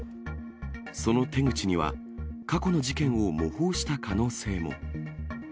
その手口には、過去の事件を模倣した可能性も。